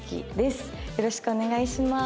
よろしくお願いします。